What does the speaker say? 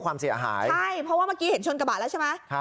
ความเสียหายใช่เพราะว่าเมื่อกี้เห็นชนกระบะแล้วใช่ไหม